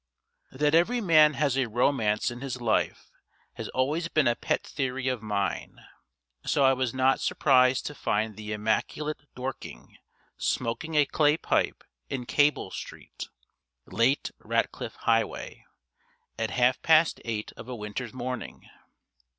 _ That every man has a romance in his life has always been a pet theory of mine, so I was not surprised to find the immaculate Dorking smoking a clay pipe in Cable Street (late Ratcliff Highway) at half past eight of a winter's morning.